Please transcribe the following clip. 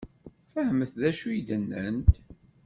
Fehment d acu i d-nnant?